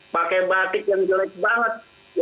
pakai batik yang jelek banget